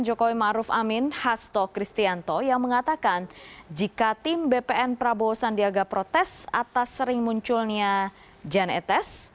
jokowi maruf amin hasto kristianto yang mengatakan jika tim bpn prabowo sandi agak protes atas sering munculnya jan etes